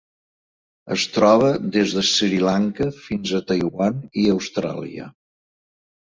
Es troba des de Sri Lanka fins a Taiwan i Austràlia.